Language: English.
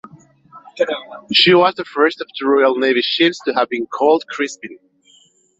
She was the first of two Royal Navy ships to have been called "Crispin".